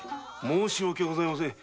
申し訳ございません。